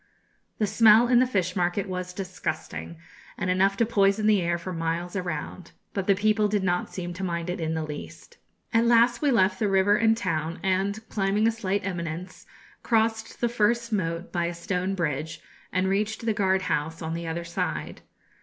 The smell in the fish market was disgusting, and enough to poison the air for miles around, but the people did not seem to mind it in the least. At last we left the river and town, and, climbing a slight eminence, crossed the first moat by a stone bridge, and reached the guard house on the other side.